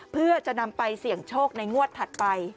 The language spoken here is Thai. เพื่อจะนำไปเสี่ยงโชคในงวดถัดไป